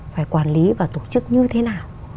phải quản lý và tổ chức như thế nào